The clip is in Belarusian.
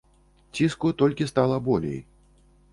Ціску толькі стала болей.